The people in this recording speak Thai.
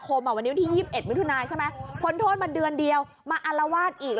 โอ้โหน่ากลัว